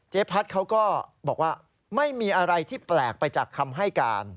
พัฒน์เขาก็บอกว่าไม่มีอะไรที่แปลกไปจากคำให้การ